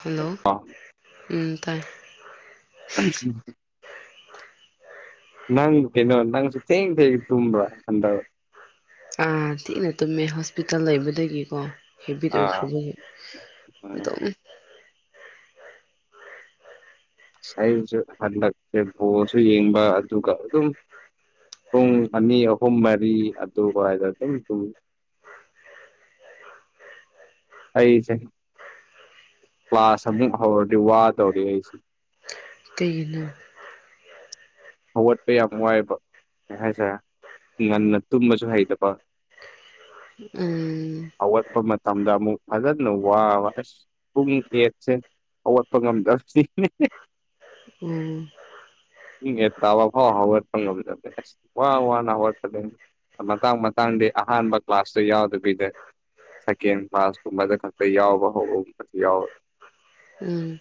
hello ꯎꯝ ꯇꯥꯏ ꯑ ꯅꯪ ꯀꯩꯅꯣ ꯅꯪꯁꯨ ꯊꯦꯡ ꯊꯦꯡ ꯇꯨꯝꯕ꯭ꯔ ꯍꯟꯗꯛ ꯑꯥ ꯊꯤꯅ ꯇꯨꯝꯃꯦ ꯍꯣꯁꯄꯤꯇꯥꯜ ꯂꯩꯕꯗꯒꯤꯀꯣ ꯍꯦꯕꯤꯠ ꯑꯥ ꯑꯣꯏꯈ꯭ꯔꯕꯅꯤ ꯎꯝ ꯑꯗꯨꯝ ꯑꯩꯁꯨ ꯍꯟꯗꯛꯁꯦ ꯕꯣꯁꯨ ꯌꯦꯡꯕ ꯑꯗꯨꯒ ꯑꯗꯨꯝ ꯄꯨꯡ ꯑꯅꯤ ꯑꯍꯨꯝ ꯃꯔꯤ ꯑꯗꯨ ꯋꯥꯏꯗ ꯑꯗꯨꯝ ꯇꯨꯝꯃꯦ ꯑꯩꯁꯦ ꯀ꯭ꯂꯥꯁ ꯑꯃꯨꯛ ꯍꯧꯔꯗꯤ ꯋꯥꯗꯧꯔ ꯑꯩꯁꯦ ꯀꯒꯤꯅꯣ ꯍꯧꯋꯥꯠꯄ ꯌꯥꯝ ꯋꯥꯏꯕ ꯀꯩ ꯍꯥꯏꯇꯥꯔꯦ ꯉꯟꯅ ꯇꯨꯝꯕꯁꯨ ꯍꯩꯇꯕ ꯎꯝ ꯍꯧꯒꯠꯄ ꯃꯇꯝꯗ ꯑꯃꯨꯛ ꯐꯖꯅ ꯋꯥꯕ ꯑꯁ ꯄꯨꯡ ꯑꯦꯠꯁꯦ ꯑꯋꯠꯄ ꯉꯝꯗ ꯎꯝ ꯗꯥꯕ ꯐꯥꯎ ꯍꯋꯥ ꯂꯧꯕꯦ ꯋꯥꯍ ꯋꯥꯍ ꯅꯍꯋꯥ ꯃꯇꯥꯡ ꯃꯇꯥꯡꯗꯤ ꯑꯍꯥꯟꯕ ꯀ꯭ꯂꯥꯁꯇꯣ ꯌꯥꯎꯗꯕꯤꯗ ꯁꯦꯀꯦꯟ ꯐꯥꯁꯀꯨꯝꯕꯗ ꯈꯛꯇ ꯌꯥꯎꯕ ꯍꯧꯕꯒꯨꯝ ꯌꯥꯎ ꯎꯝ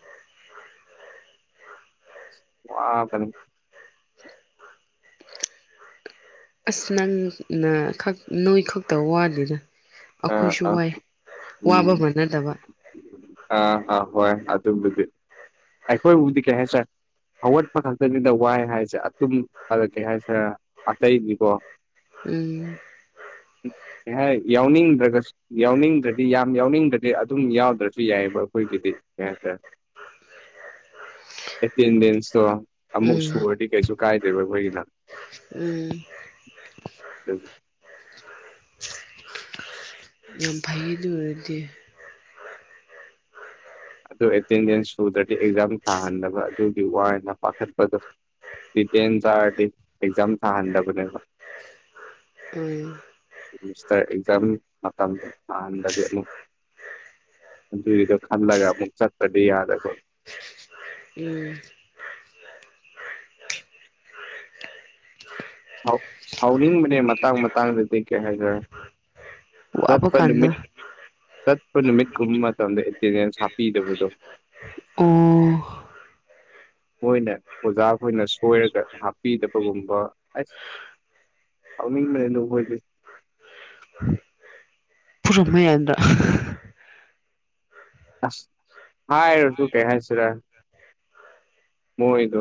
ꯋꯥꯕꯅꯤ ꯑꯁ ꯅꯪꯅ ꯅꯣꯏ ꯈꯛꯇ ꯋꯥꯗꯔ ꯑꯥ ꯑꯩꯈꯣꯏꯁꯨ ꯑꯥ ꯋꯥꯏ ꯋꯥꯕ ꯎꯝ ꯃꯥꯟꯅꯗꯕ ꯑꯥ ꯑꯥ ꯍꯣꯏ ꯑꯗꯨꯝꯕꯗꯤ ꯑꯩꯈꯣꯏꯕꯨꯗꯤ ꯀꯩ ꯍꯥꯏꯁꯔꯦ ꯑꯋꯥꯠꯄ ꯈꯛꯇꯅꯤꯗ ꯋꯥꯏ ꯍꯥꯏꯁꯦ ꯑꯗꯨꯨꯝ ꯑꯗ ꯀꯩ ꯍꯥꯏꯁꯤꯔꯦ ꯑꯇꯩꯅꯤꯀꯣ ꯎꯝ ꯌꯥꯎꯅꯤꯡ ꯅ꯭ꯔ ꯌꯥꯎꯅꯤꯡꯗ꯭ꯔꯗꯤ ꯌꯥꯝ ꯌꯥꯎꯅꯤꯡꯗ꯭ꯔꯗꯤ ꯑꯗꯨꯝ ꯌꯥꯎꯗ꯭ꯔꯁꯨ ꯌꯥꯏꯑꯕ ꯑꯩꯈꯣꯏꯒꯤꯗꯤ ꯀꯇꯥꯔꯦ [unintelligible] ꯑꯦꯇꯦꯟꯗꯦꯟꯁꯇꯣ ꯑꯃꯨꯛ ꯎꯝ ꯁꯨꯔꯗꯤ ꯀꯩꯁꯨ ꯀꯥꯏꯗꯦꯕ ꯑꯩꯈꯣꯏꯒꯤꯅ ꯎꯝ ꯑꯗꯨꯒꯤ ꯌꯥꯝ [inaudible] ꯑꯗꯨ ꯑꯦꯇꯦꯟꯗꯦꯟꯁ ꯁꯨꯗ꯭ꯔꯗꯤ ꯑꯦꯛꯖꯥꯝ ꯊꯥꯍꯟꯅꯕ ꯑꯗꯨꯒꯤ ꯋꯥꯅ ꯄꯥꯈꯠꯄꯗꯣ ꯗꯤꯇꯦꯟ ꯇꯔꯗꯤ ꯑꯦꯛꯖꯥꯝ ꯊꯥꯟꯗꯕꯅꯦꯕ ꯎꯝ ꯃꯤꯁꯇꯔ ꯑꯦꯛꯖꯥꯝ ꯃꯇꯝꯁꯦ ꯑꯍꯗꯗꯤ ꯑꯃꯨꯛ ꯑꯗꯨꯒꯤꯗꯣ ꯈꯜꯂꯒ ꯑꯃꯨꯛ ꯆꯠꯄꯗꯤ ꯌꯥꯗꯕ ꯎꯝ ꯁꯥꯎꯅꯤꯡꯕꯅꯦ ꯃꯇꯥꯡ ꯃꯇꯥꯡꯗꯗꯤ ꯀꯩ ꯍꯥꯏꯖꯤꯔ ꯋꯥꯕ ꯆꯠꯄ ꯀꯥꯟꯗ ꯅꯨꯃꯤꯠ ꯆꯠꯄ ꯅꯨꯃꯤꯠ ꯀꯨꯝꯕ ꯃꯇꯝꯗ ꯑꯦꯇꯦꯟꯗꯦꯟꯁ ꯍꯥꯞꯄꯤꯗꯕꯗꯣ ꯑꯣ ꯃꯣꯏꯅ ꯑꯣꯖꯥ ꯑꯩꯈꯣꯏꯅ ꯁꯣꯏꯔꯒ ꯍꯥꯞꯄꯤꯗꯕꯒꯨꯝꯕ ꯑꯁ [inaudible] ꯐꯨꯔꯝꯃꯨ ꯌꯥꯗ꯭ꯔꯥ ꯑꯁ ꯍꯔꯣꯁꯨ ꯀꯩ ꯍꯥꯏꯁꯤꯔꯥ ꯃꯣꯏꯗꯣ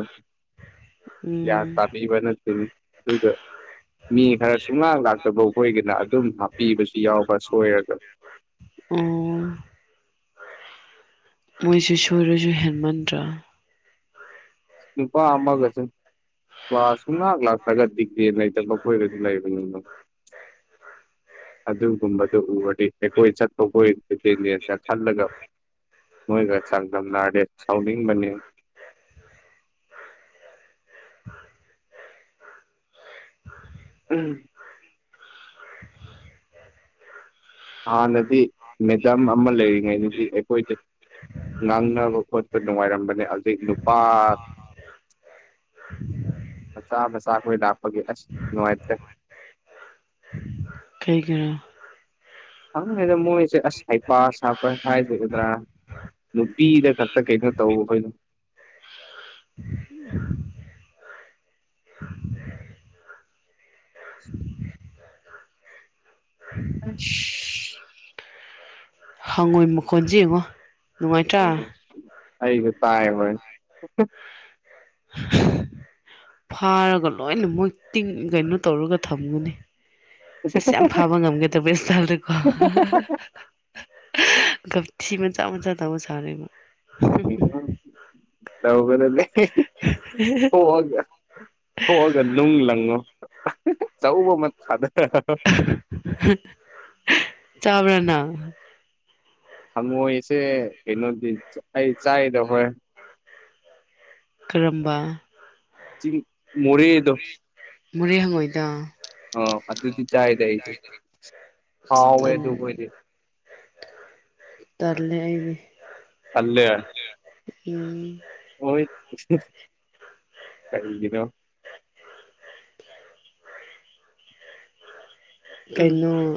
ꯌꯥ ꯎꯝ ꯇꯥꯕꯤꯕ ꯅꯠꯇꯅꯤ ꯑꯗꯨꯒ ꯃꯤ ꯈꯔ ꯁꯨꯡꯂꯥꯡ ꯂꯥꯛꯇꯕꯈꯣꯏꯒꯤꯅ ꯑꯗꯨꯝ ꯍꯥꯞꯄꯤꯕꯁꯨ ꯌꯥꯎꯕ꯭ꯔ ꯁꯣꯏꯔꯒ ꯑꯝ ꯃꯣꯏꯁꯨ ꯁꯣꯏꯔꯁꯨ ꯍꯦꯟꯃꯟꯗ꯭ꯔꯥ ꯅꯨꯄꯥ ꯑꯃꯒ ꯀꯂ꯭ꯥꯁ ꯁꯨꯍꯥꯛ ꯂꯥꯛꯇꯒ ꯗꯤꯒ꯭ꯔꯦ ꯂꯩꯇꯕ ꯃꯈꯣꯏꯔꯁꯨ ꯂꯩꯕꯅꯤꯅ [unintelligible] ꯑꯗꯨꯒꯨꯝꯕꯗꯨ ꯎꯔꯗꯤ ꯑꯩꯈꯣꯏ ꯆꯠꯄꯈꯣꯏꯇꯦꯂꯦꯟꯁꯦ ꯈꯜꯂꯒ ꯃꯣꯏꯒ ꯆꯥꯡꯗꯝꯅꯔꯗꯦ ꯁꯥꯎꯅꯤꯡꯕꯅꯤ ꯎꯝ ꯍꯥꯟꯅꯗꯤ ꯃꯦꯗꯥꯝ ꯑꯃ ꯂꯩꯔꯤꯉꯩꯗꯗꯤ ꯑꯩꯈꯣꯏꯗ ꯉꯥꯡꯅꯕ ꯈꯣꯠꯄ ꯅꯨꯡꯉꯥꯏꯔꯝꯕꯅꯦ ꯍꯧꯖꯤꯛ ꯅꯨꯄꯥ ꯃꯆꯥ ꯃꯆꯥꯈꯣꯏ ꯂꯥꯛꯄꯒꯤ ꯑꯁ ꯅꯨꯡꯉꯥꯏꯇꯦ ꯀꯩꯒꯤꯔꯥ ꯈꯪꯉꯩꯗ ꯃꯣꯏꯁꯦ ꯑꯁ ꯍꯩꯄꯥ ꯁꯥꯄ ꯍꯥꯏꯒꯗ꯭ꯔꯥ ꯅꯨꯄꯤꯗ ꯈꯛꯇ ꯀꯩꯅꯣ ꯇꯧꯕ ꯈꯣꯏ ꯑꯁ ꯍꯪꯉꯣꯏ ꯃꯈꯣꯟꯖꯦ ꯌꯦꯡꯉꯣ ꯅꯨꯡꯉꯥꯏꯇ꯭ꯔꯥ ꯎꯝ ꯑꯩꯁꯨ ꯇꯥꯏꯕꯣꯏ ꯐꯥꯔꯒ ꯂꯣꯏꯅꯃꫭꯏ ꯇꯤꯡ ꯀꯩꯅꯣ ꯇꯧꯔꯒ ꯊꯝꯒꯅꯤ ꯏꯁ ꯌꯥꯝ ꯐꯕ ꯉꯝꯒꯗꯕꯩ ꯏꯁꯇꯥꯜꯗꯀꯣ ꯒꯞꯊꯤ ꯃꯆꯥ ꯃꯆꯥꯥ ꯇꯧꯕ ꯁꯥꯔꯤꯕ ꯀꯩꯅꫭ ꯇꯧꯒꯗꯝꯅꯦ ꯊꫭꯛꯑꯒ ꯊꯣꯛꯑꯒ ꯅꯨꯡ ꯂꯪꯉꯣ ꯑꯆꯧꯕꯃ ꯊꯥꯗ ꯆꯥꯕꯔ ꯅꯪ ꯍꯪꯉꯣꯏꯁꯦ ꯀꯩꯅꯣꯗꯤ ꯑꯩ ꯆꯥꯏꯗ ꯍꯣꯏ ꯀꯔꯝꯕ ꯆꯤꯡ ꯃꯣꯔꯦꯗꯣ ꯃꯣꯔꯦ ꯍꯪꯉꯣꯏꯗꯣ ꯑꫭ ꯑꯗꯨꯗꯤ ꯆꯥꯏꯗ ꯑꯩꯁꯨ ꯍꯥꯎꯋꯦ ꯇꯟ ꯑꯗꯨ ꯍꯣꯏꯗꯤ ꯇꯜꯂꯦ ꯑꯩꯗꯤ ꯇꯜꯂꯦ ꯎꯝ ꯍꯣꯏ ꯀꯩꯒꯤꯅꫭ ꯀꯩꯅꯣ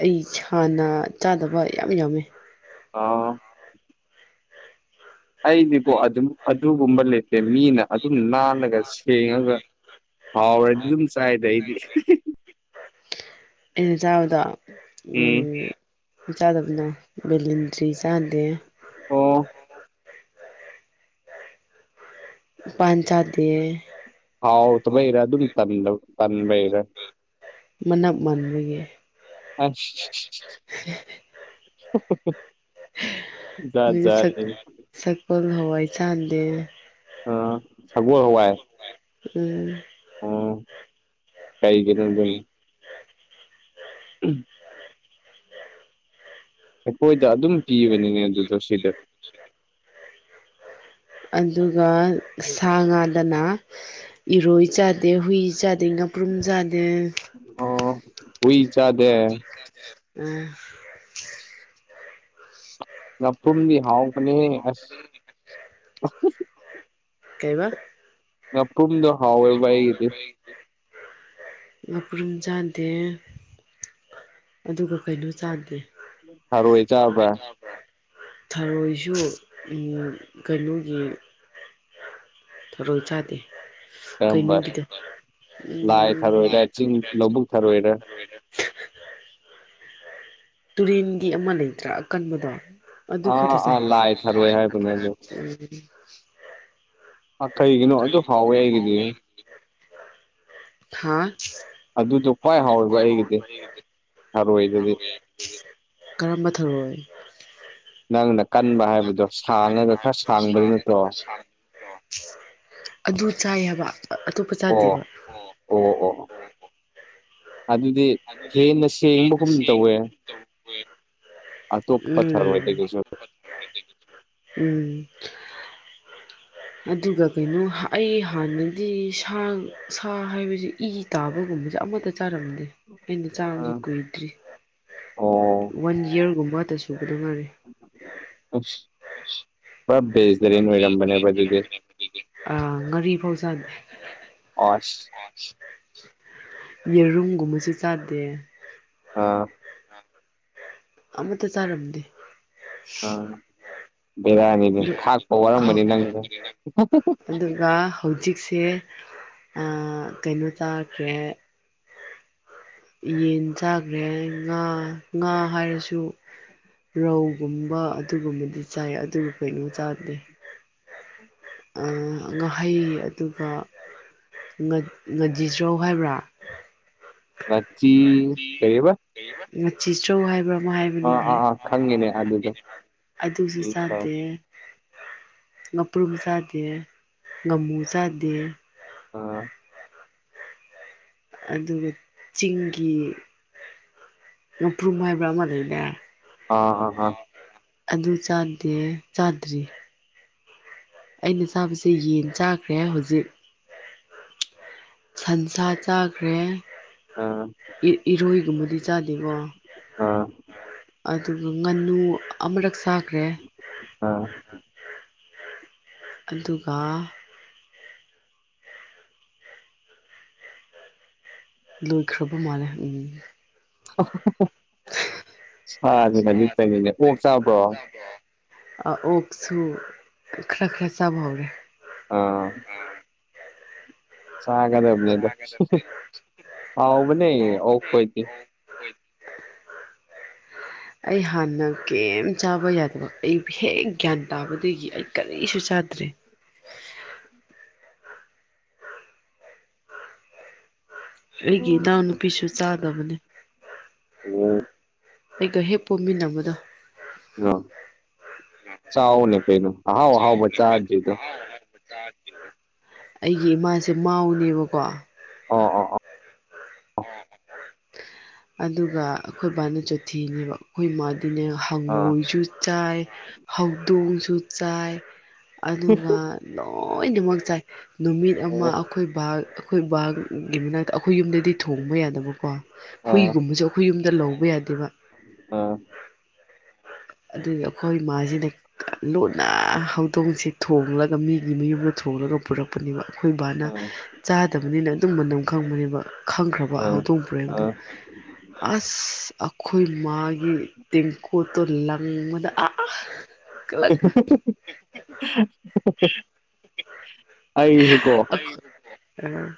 ꯑꯩ ꯏꯁꯥꯅ ꯆꯥꯗꯕ ꯌꯥꯝ ꯌꯥꯝꯃꯦ ꯑꫭ ꯑꯩꯗꯤꯀꯣ ꯑꯗꯨꯝ ꯑꯗꯨꯒꯨꯝꯕ ꯂꯩꯇꯦ ꯃꯤꯅ ꯑꯗꯨꯝ ꯅꯥꯜꯂꯒ ꯁꯦꯡꯉꯒ ꯍꯥꯎꯔꯗꯤ ꯑꯗꯨꯝ ꯆꯥꯏꯗ ꯑꯩꯗꯤ ꯑꯩꯅ ꯆꯥꯕꯗꯣ ꯎꯝ ꯆꯥꯗꯕꯗꯣ ꯕꯦꯂꯤꯟꯗ꯭ꯔꯤ ꯆꯥꯗꯦ ꯑꯣ ꯄꯥꯟ ꯆꯥꯗꯦ ꯍꯥꯎꯇꯕꯩꯔ ꯑꯗꯨꯝ ꯇꯟ ꯇꯟꯕꯩꯔ ꯃꯅꯞ ꯃꯥꯟꯕꯒꯤ ꯑꯁ ꯖꯥꯠ ꯑꯗꯨꯒ ꯁꯛ ꯖꯥꯠꯅꯤꯅꯦ ꯁꯛꯒꫭꯜ ꯍꯋꯥꯏ ꯆꯥꯗꯦ ꯑ ꯁꯒꯣꯜ ꯍꯋꯥꯏ ꯎꯝ ꯑꫭ ꯀꯩꯒꯤꯅꯣ ꯑꯗꯨꯅ ꯎꯝ ꯑꯩꯈꯣꯏꯗ ꯑꯗꯨꯝ ꯄꯤꯕꯅꯤꯅꯦ ꯑꯗꯨꯗꯣ ꯁꯤꯗ ꯑꯗꯨꯒ ꯁꯥ ꯉꯥꯗꯅ ꯏꯔꯣꯏ ꯆꯥꯗꯦ ꯍꯨꯏ ꯆꯥꯗꯦ ꯑꯗꯩ ꯉꯥꯄ꯭ꯔꯨꯝ ꯆꯥꯗꯦ ꯑꫭ ꯍꯨꯏ ꯆꯥꯗꯦ ꯎꯝ [inaudible] ꯉꯥꯄꯔꯨꯝꯗꯤ ꯍꯥꯎꯕꯅꯦ ꯑꯁ ꯀꯩꯕꯥ ꯉꯥꯄꯔꯨꯝꯗꫭ ꯉꯥꯄꯔꯨꯝ ꯆꯥꯗꯦ ꯑꯗꯨꯒ ꯀꯩꯅꯣ ꯆꯥꯗꯦ ꯊꯔꯣꯏ ꯆꯥꯕ꯭ꯔꯥ ꯊꯔꯣꯏꯁꯨ ꯀꯩꯅꯣꯒꯤ ꯊꯔꯣꯏ ꯆꯥꯗꯦ ꯀꯔꯝꯕ ꯀꯩꯅꯣꯒꯤꯗ ꯎ ꯂꯥꯏ ꯊꯔꯣꯏꯔ ꯆꯤꯡ ꯂꯧꯕꯨꯛ ꯊꯥꯔꯣꯏꯔ ꯇꯨꯔꯦꯟꯒꯤ ꯑꯃ ꯂꯩꯇ꯭ꯔꯥ ꯑꯀꯟꯕꯗꯣ ꯗꯨꯈ ꯑꯥ ꯊꯁ ꯑꯥ ꯂꯥꯏ ꯊꯔꯣꯏ ꯍꯥꯏꯕꯅꯦ ꯑꯗꯣ ꯎ ꯀꯩꯒꯤꯅꯣ ꯑꯗꯨ ꯍꯥꯎꯋꯦ ꯍꯥꯏꯒꯤꯗꯤ [unintelligible] ꯍꯥꯥ ꯑꯗꯨꯁꯨ ꯈ꯭ꯋꯥꯏ ꯍꯥꯎꯋꯦꯕ ꯑꯩꯒꯤꯗꯤ ꯍꯔꯣꯏꯗꯗꯤ ꯀꯔꯝꯕ ꯊꯧꯔꯣꯏ ꯅꯪꯅ ꯀꯟꯕ ꯍꯥꯏꯕꯗꯣ ꯁꯥꯡꯉꯒ ꯈꯔ ꯁꯥꯡꯕꯗꯨ ꯅꯠꯇ꯭ꯔꯣ ꯑꯗꯨ ꯆꯥꯏꯕ ꯑꯇꯣꯞꯄ ꯆꯥꯗꯦꯕ ꯑꯣ ꯑꯣ ꯑꯣ ꯑꯗꯨꯗꯤ ꯍꯦꯟꯅ ꯁꯦꯡꯕꯒꯨꯝ ꯇꯧꯋꯦ ꯑ ꯇꯣ ꯄꯊꯔ ꯑꯣꯏꯣꯏ ꯇ ꯎꯝ ꯀꯁꯨ ꯎꯝ ꯑꯗꯨꯒ ꯀꯩꯅꯣ ꯑꯩ ꯍꯥꯟꯅꯗꯤ ꯁꯥ ꯁꯥ ꯍꯥꯏꯕꯁꯤ ꯏ ꯇꯥꯕꯒꯨꯝꯕꯁꯦ ꯑꯃꯠꯇ ꯆꯥꯔꯝꯅꯤ ꯑꯩꯅ ꯆꯥꯃꯁꯨ ꯀꯨꯏꯗ꯭ꯔꯤ ꯑꯣ ꯋꯥꯟ ꯌꯌꯥꯔꯒꯨꯝꯕꯗ ꯁꯨꯕꯗ ꯉꯔꯦ ꯑꯁ ꯄꯨꯞ ꯕꯦꯁꯇꯔꯤꯟ ꯑꯣꯏꯔꯝꯕꯅꯦꯕ ꯑꯗꯨꯗꯤ ꯑ ꯉꯥꯔꯤ ꯐꯥꯎꯖꯥꯗꯦ ꯑꯣꯁ ꯌꯦꯔꯨꯝꯒꯨꯝꯕꯁꯨ ꯆꯥꯗꯦ ꯑꯥ ꯑꯃꯛꯇ ꯆꯥꯔꯝꯗꯤꯦ ꯔꯥꯅꯤꯗꯤ ꯐꯥꯥꯛ ꯐꯧꯔꯪꯕꯅꯤ ꯅꯪꯦ ꯑꯗꯨꯒ ꯍꯧꯖꯤꯛꯁꯦ ꯀꯩꯅꯣ ꯇꯥꯈ꯭ꯔꯦ ꯌꯦꯟ ꯆꯥꯈ꯭ꯔꯦ ꯉꯥ ꯉꯥ ꯍꯥꯏꯔꯁꯨ ꯔꯧꯒꯨꯝꯕ ꯑꯗꯨꯒꯨꯝꯕꯗꯤ ꯆꯥꯏ ꯑꯗꯨꯕꯨ ꯀꯩꯅꯣ ꯆꯥꯕꯗꯦ ꯉꯍꯩ ꯑꯗꯨꯒ ꯉꯖꯤꯖ꯭ꯔꯧ ꯍꯥꯏꯕ꯭ꯔꯥ ꯉꯆꯤ ꯀꯩꯕ ꯉꯆꯤ ꯇ꯭ꯔꯧ ꯍꯥꯏꯕ꯭ꯔꯥ ꯑꯃ ꯍꯥꯏꯕ꯭ꯔꯥ ꯑꯥ ꯑꯥ ꯅꯤꯡꯉ ꯑꯥ ꯈꯪꯉꯤꯅꯦ ꯑꯗꯨꯗꯣ ꯑꯗꯨꯁꯨ ꯑꯥ ꯆꯥꯗꯦ ꯉꯄꯔꯨ ꯆꯥꯗꯦ ꯃꯨ ꯆꯥꯗꯦ ꯑꯣ ꯑꯗꯨꯒ ꯆꯤꯡꯒꯤ ꯃꯄ꯭ꯔꯨꯝ ꯍꯥꯏꯕ꯭ꯔꯥ ꯑꯃ ꯂꯩꯅꯦ ꯑꯣ ꯑ ꯑ ꯑꯗꯨ ꯆꯥꯗꯦ ꯆꯥꯗ꯭ꯔꯤ ꯑꯩꯅ ꯆꯥꯕꯁꯦ ꯌꯦꯟ ꯆꯥꯈ꯭ꯔꯦ ꯍꯧꯖꯤꯛ ꯁꯟꯁꯥ ꯆꯥꯈ꯭ꯔꯦ ꯑꯥ ꯏꯔꯣꯏꯒꯨꯝꯕꯗꯤ ꯆꯥꯗꯦꯕꯣ ꯑꯥ ꯑꯗꯨꯒ ꯉꯥꯅꯨ ꯑꯃꯨꯔꯛ ꯁꯥꯈ꯭ꯔꯦ ꯑ ꯑꯗꯨꯒ ꯂꯣꯏꯈ꯭ꯔꯕ ꯃꯥꯜꯂꯦ ꯎꯝ ꯍꯖꯤ ꯆꯅꯤꯅꯦ ꯑꯣꯛ ꯆꯥꯕ꯭ꯔꯣ ꯑꯣꯛꯁꯨ ꯈꯔ ꯈꯔ ꯆꯥꯕ ꯍꯧꯔꯦ ꯑꯥ ꯆꯒꯗꯦꯕꯅꯦ ꯃꯥꯦꯗꯔꯗꯤ [inaudible] ꯑꯕꯅꯦ ꯑꯣꯀꯣꯣꯏꯇꯦ [inaudible] ꯑꯩ ꯍꯥꯟꯅ ꯀꯔꯤꯝ ꯆꯥꯕ ꯌꯥꯗꯕ ꯑꯩ ꯍꯦꯛ ꯒ꯭ꯌꯥꯟ ꯇꯥꯕꯗꯒꯤ ꯑꯩ ꯀꯔꯤꯁꯨ ꯆꯥꯗ꯭ꯔꯦ ꯑꯩꯒꯤ ꯏꯅꯥꯎ ꯎꯝ ꯅꯨꯄꯤꯁꯨ ꯆꯥꯗꯕꯅꯦ ꯑꯣ ꯑꯩꯒ ꯍꯦꯛ ꯄꯣꯝꯃꯤꯟꯅꯕꯗꯣ ꯑ ꯆꯥꯎꯅꯦ ꯀꯩꯅꯅ ꯍꯥꯎ ꯍꯥꯎ ꯃ ꯆꯥꯗ ꯑꯩꯒꯤ ꯏꯃꯥꯁꯦ ꯃꯥꯎꯅꯦꯕꯀꯣ ꯑꯣ ꯑꯣ ꯑꯣ ꯑꯗꯨꯒ ꯑꯩꯈꯣꯏ ꯕꯥꯅ ꯆꯣꯊꯤꯅꯦꯕ ꯑꯩꯈꯣꯏ ꯏ ꯃꯥꯗꯤꯅꯦ ꯑꯥ ꯍꯪꯉꯣꯏꯁꯨ ꯆꯥꯏ ꯍꯧꯗꯣꯡꯁꯨ ꯆꯥꯏ ꯑꯗꯨꯒ ꯂꯣꯏꯅꯃꯛ ꯆꯥꯏ ꯅꯨꯃꯤꯠ ꯑꯃ ꯑꯩꯈꯣꯏ ꯕꯥ ꯑꯩꯈꯣꯏ ꯕꯥꯒꯤ ꯃꯅꯥꯛꯇ ꯑꯩꯈꯣꯏ ꯌꯨꯝꯗꯗꯤ ꯊꯣꯡꯕ ꯌꯥꯗꯕꯀꯣ ꯑꯥ ꯍꯨꯏꯒꯨꯝꯕꯁꯨ ꯑꯩꯈꯣꯏ ꯌꯨꯝꯗ ꯂꯧꯕ ꯌꯥꯗꯦꯕ ꯑꯥ ꯑꯗꯨꯗꯤ ꯑꯩꯈꯣꯏ ꯏꯃꯁꯤꯅ ꯂꯨꯅ ꯍꯧꯗꯣꯡꯁꯦ ꯊꯣꯡꯂꯒ ꯃꯤꯒꯤ ꯃꯌꯨꯝꯗ ꯊꯣꯡꯂꯒ ꯄꯨꯔꯛꯄꯅꯦꯕ ꯑꯩꯈꯣꯏ ꯏ ꯕꯥꯅ ꯑꯥ ꯆꯥꯗꯕꯅꯤꯅ ꯑꯗꯨꯝ ꯃꯅꯝ ꯈꯪꯕꯅꯦꯕ ꯈꯪꯈ꯭ꯔꯕ ꯑꯥ ꯍꯧꯗꯣꯡꯄ꯭ꯔꯦꯡꯗ ꯑꯥ ꯑꯁ ꯑꯩꯈꯣꯏ ꯃꯥꯒꯤ ꯇꯦꯟꯒꯣꯠꯇꯣ ꯂꯪꯕꯗ ꯀꯂꯛ ꯑꯩꯁꯨ ꯀꯣ ꯑꯥ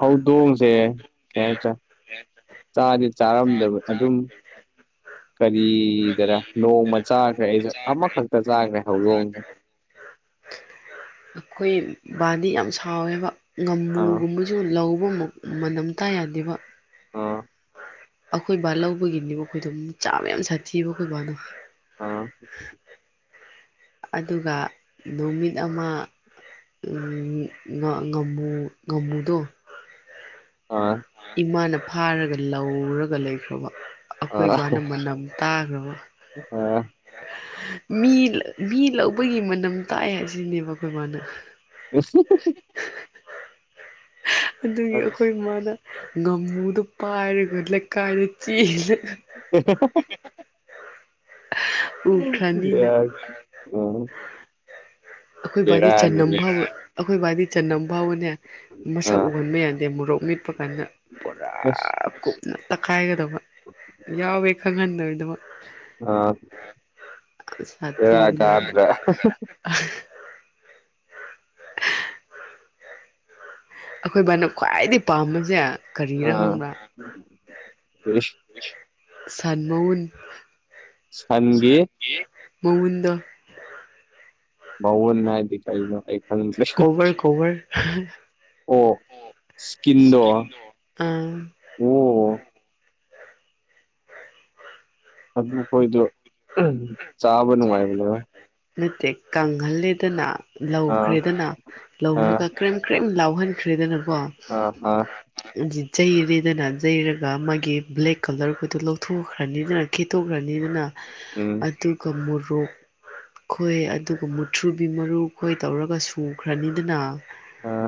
ꯍꯧꯗꯣꯡ ꯁꯦ ꯀꯩ ꯍꯥꯏꯇꯥꯔꯦ ꯆꯥꯗꯤ ꯆꯥꯔꯝꯗꯕ ꯑꯗꯨꯝ ꯀꯔꯤꯗꯔ ꯅꯣꯡꯃ ꯆꯥꯈ꯭ꯔꯦ ꯑꯩꯁꯨ ꯑꯃꯈꯛꯇ ꯆꯥꯈ꯭ꯔꯦ ꯍꯧꯗꯣꯡꯁꯦ ꯑꯩꯈꯣꯏ ꯕꯥꯗꯤ ꯌꯥꯝ ꯁꯥꯎꯋꯦꯕ ꯑꯥ ꯉꯝꯃꯨꯒꯨꯝꯕ ꯁꯨ ꯂꯧꯕ ꯃꯅꯝꯇꯥꯥ ꯌꯥꯗꯦꯕ ꯑꯥ ꯑꯩꯈꯣꯏ ꯕꯥ ꯂꯧꯕꯒꯤꯅꯦꯕ ꯑꯩꯈꯣꯏꯗꯣ ꯆꯥꯕ ꯌꯥꯝ ꯁꯥꯊꯤꯑꯕ ꯑꯩꯈꯣꯏ ꯕꯥꯗꯣ ꯑꯥ ꯑꯗꯨꯒ ꯅꯨꯃꯤꯠ ꯑꯃ ꯉꯃꯨ ꯉꯃꯨꯗꯣ ꯑꯥ ꯏꯃꯥꯅ ꯐꯥꯔꯒ ꯂꯧꯔꯒ ꯂꯩꯈ꯭ꯔꯕ ꯑꯩꯈꯣꯏ ꯏꯕꯥꯅ ꯃꯅꯝ ꯇꯥꯈ꯭ꯔꯕ ꯑꯣ ꯃꯤ ꯃꯤ ꯂꯧꯕꯒꯤ ꯃꯅꯝ ꯇꯥꯏ ꯍꯥꯏꯁꯤꯅꯦꯕ ꯑꯩꯈꯣꯏ ꯃꯥꯅ ꯑ [inaudible] ꯑꯗꯨꯒꯤ ꯑꯥ ꯑꯩꯈꯣꯏ ꯏ ꯃꯥꯅ ꯉꯥꯃꯨꯗꯣ ꯄꯥꯏꯔꯒ ꯂꯩꯀꯥꯏꯗ ꯆꯦꯜꯂꯦ ꯑꯦꯁ [inaudible] ꯎꯈ꯭ꯔꯅꯤꯅ ꯌꯥ ꯎ [inaudible] ꯑꯩꯈꯣꯏ ꯕꯥꯗꯤ ꯆꯅꯝ ꯐꯥꯎ ꯑꯩꯈꯣꯏ ꯕꯥꯏꯗꯤ ꯆꯅꯝ ꯐꯥꯎꯕꯅꯦ ꯃꯁꯛ ꯑꯥ ꯎꯍꯟꯕ ꯌꯥꯗꯦ ꯃꯣꯔꯣꯛ ꯃꯤꯠꯄ ꯀꯥꯟꯗ ꯄꯨꯔꯥ ꯑꯁ ꯀꯨꯞ ꯅ ꯇꯛꯈꯥꯏꯒꯗꯕ ꯌꯥꯎꯋꯦ ꯈꯪꯍꯟꯗꯩꯗꯃꯛ ꯑ ꯂꯩꯔꯒꯗ꯭ꯔ ꯑ [inaudible] ꯑꯩꯈꯣꯏ ꯏꯕꯥꯅ ꯈ꯭ꯋꯥꯏꯗꯒꯤꯩ ꯄꯥꯝꯕꯁꯦ ꯀꯔꯤꯅ ꯑꯥ ꯈꯪꯕ꯭ꯔꯥ ꯏꯁ ꯁꯥꯟ ꯃꯎꯟ ꯁꯟꯒꯤ ꯃꯎꯟꯗ ꯥꯎꯋꯟꯅꯥꯗꯤ ꯀꯅ ꯑꯩ ꯈꯪꯖ ꯀꯣꯕꯔ ꯀꯣꯕꯔ ꯑꯣ ꯏꯁꯀꯤꯟꯗꯣ ꯑꯥ ꯑꯣ ꯑꯗꯨꯈꯣꯏꯗꯣ ꯆꯥꯕ ꯅꯨꯡꯉꯥꯏꯕꯅꯦꯕ ꯅꯠꯇꯦ ꯀꯪꯍꯜꯂꯦꯗꯅ ꯑꯥ ꯂꯧꯈ꯭ꯔꯦꯗꯅ ꯑꯥ ꯂꯧꯔꯒ ꯀꯔꯤꯦꯝꯝ ꯀꯔꯤꯦꯝꯝ ꯂꯥꯎꯍꯟꯈ꯭ꯔꯦꯗꯅꯀꯣ ꯑꯥ ꯑꯥ ꯌꯩꯔꯦꯗꯅ ꯌꯩꯔꯒ ꯃꯥꯒꯤ ꯕ꯭ꯂꯦꯛ ꯀꯂꯔꯒꯗꯨꯣ ꯂꯧꯊꯣꯛꯈ꯭ꯔꯅꯤꯗꯅ ꯈꯦꯠꯇꯣꯛꯈ꯭ꯔꯅꯤ ꯑꯗꯨꯅ ꯎꯝ ꯑꯗꯨꯒ ꯃꯣꯔꯣꯛ ꯈꯣꯏ ꯑꯗꯨꯒ ꯃꯨꯊ꯭ꯔꯨꯕꯤ ꯃꯔꯨ ꯈꯣꯏ ꯇꯧꯔꯒ ꯁꯨꯈ꯭ꯔꯅꯤꯗꯅ ꯑꯥ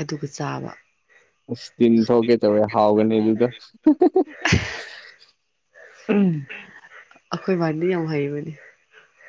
ꯑꯗꯨꯒ ꯆꯥꯕ ꯑꯁ ꯇꯤꯟ ꯊꯣꯛꯀꯦ ꯇꯧꯋꯦ ꯍꯥꯎꯒꯅꯤ ꯑꯗꯨꯗ ꯎꯝ ꯑꯩꯈꯣꯏꯕꯥꯗꯤ ꯌꯥꯝ ꯍꯩꯕꯅꯤ